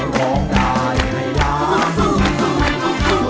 ร้องได้ให้ล้าน